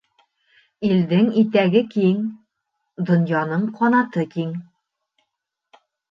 Илдең итәге киң, донъяның ҡанаты киң.